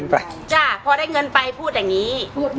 พอได้เงินไปพูดนี้